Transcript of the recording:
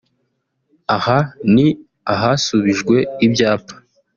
Aha ni ahasubijwe ibyapa